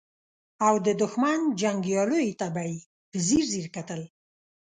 او د دښمن جنګياليو ته به يې په ځير ځير کتل.